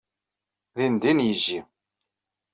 Dindin yejji.